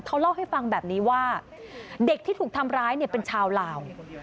เขาเล่าให้ฟังแบบนี้ว่าเด็กที่ถูกทำร้ายเนี่ยเป็นชาวลาว